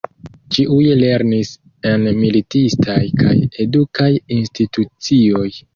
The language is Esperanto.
Ĉiuj lernis en militistaj kaj edukaj institucioj.